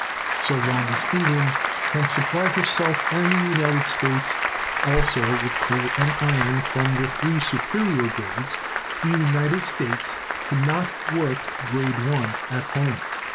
So long as England can supply herself and the United States also with coal and iron from the three superior grades, the United States can not work grade 1 at home.